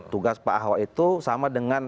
tugas pak ahok itu sama dengan